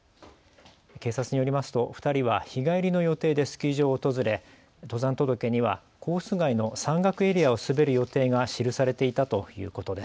警察によりますと２人は日帰りの予定でスキー場を訪れ登山届にはコース外の山岳エリアを滑る予定が記されていたということです。